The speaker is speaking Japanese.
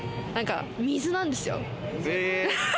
水なんですよ。